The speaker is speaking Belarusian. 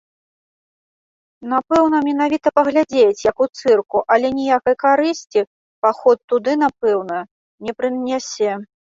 Напэўна, менавіта паглядзець, як у цырку, але ніякай карысці паход туды, напэўна, не прынясе.